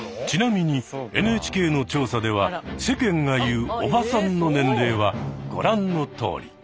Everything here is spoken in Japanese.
ちなみにＮＨＫの調査では世間が言う「おばさん」の年齢はご覧のとおり。